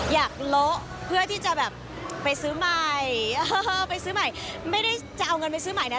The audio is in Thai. โละเพื่อที่จะแบบไปซื้อใหม่เออไปซื้อใหม่ไม่ได้จะเอาเงินไปซื้อใหม่นะ